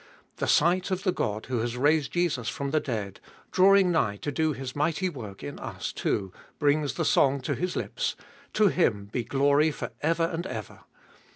The sight of the God who has raised Jesus from the dead, drawing nigh to do His mighty work in us too, brings the song to His lips: To Him be glory for ever and ever!